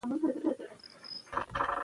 نوې لارې چارې ټولنه بدلوي.